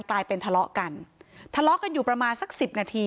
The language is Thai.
กลายเป็นทะเลาะกันทะเลาะกันอยู่ประมาณสักสิบนาที